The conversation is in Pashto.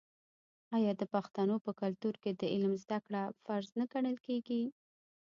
آیا د پښتنو په کلتور کې د علم زده کړه فرض نه ګڼل کیږي؟